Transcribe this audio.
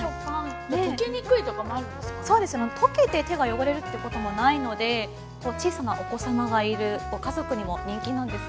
溶けて手が汚れるってこともないので小さなお子様がいるご家族にも人気なんです。